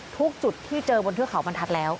ทุกจุดที่เจอบนเทือกเขาบรรทัศน์แล้ว